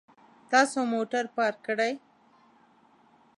تاسو موټر پارک کړئ